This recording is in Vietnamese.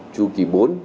chu kỳ bốn